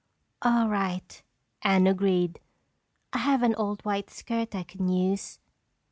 "All right," Anne agreed, "I have an old white skirt I can use."